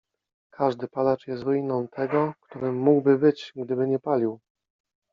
Każdy palacz jest ruiną tego, którym mógłby być, gdyby nie palił.